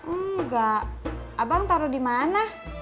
enggak abang taruh di mana